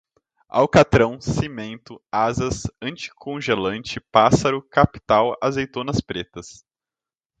alcatrão, cimento, asas, anticongelante, pássaro, capital, azeitonas pretas